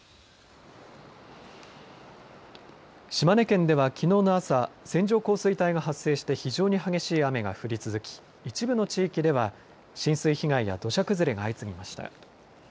島根県では、きのうの朝、線状降水帯が発生して、非常に激しい雨が降り続き、一部の地域では浸水被害や土砂崩れが相次ぎました。